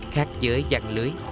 khác giới giăng lưới